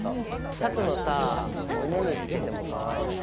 シャツのさ胸につけてもかわいいし。